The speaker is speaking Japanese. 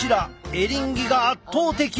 エリンギが圧倒的！